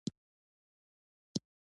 ازادي راډیو د سوداګري ته پام اړولی.